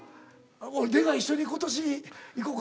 出川一緒に今年行こか。